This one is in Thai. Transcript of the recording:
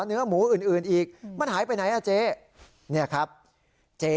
เนื้อหมูอื่นอีกมันหายไปไหนครับเจ๊